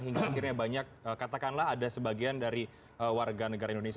hingga akhirnya banyak katakanlah ada sebagian dari warga negara indonesia